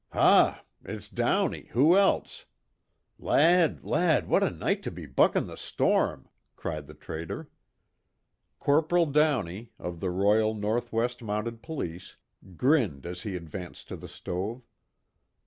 "Ha, it's Downey, who else? Lad, lad, what a night to be buckin' the storm!" cried the trader. Corporal Downey, of the Royal North West Mounted Police, grinned as he advanced to the stove.